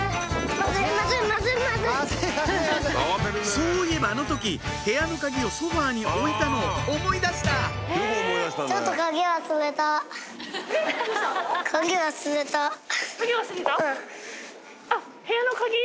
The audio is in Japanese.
そういえばあの時部屋のカギをソファに置いたのを思い出したカギ忘れた？